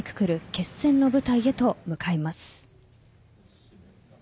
決戦の舞台へと向かいます。